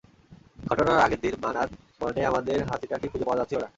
ঘটনার আগের দিন মানাত, মানে আমাদের হাতিটাকে খুঁজে পাওয়া যাচ্ছিল না।